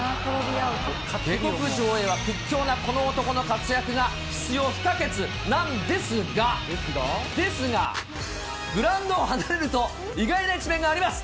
下剋上へは屈強なこの男の活躍が、必要不可欠なんですが、ですが、グラウンドを離れると、意外な一面があります。